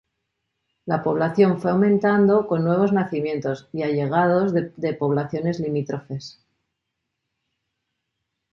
La población fue aumentando con nuevos nacimientos y allegados de poblaciones limítrofes.